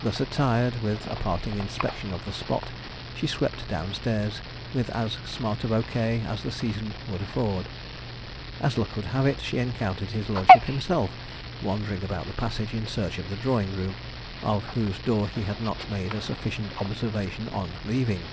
Thus attired, with a parting inspection of the spot, she swept downstairs, with as smart a bouquet as the season would afford. As luck would have it, she encountered his lordship himself wandering about the passage in search of the drawing room, of whose door he had not made a sufficient observation on leaving.